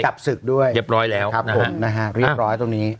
กับศึกด้วยเรียบร้อยแล้วครับผมนะฮะเรียบร้อยตรงนี้